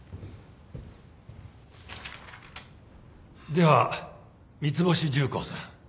では三ツ星重工さん。